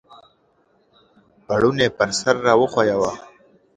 پوړنی پر سر را وښویوه !